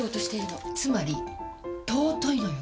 つまり尊いのよ！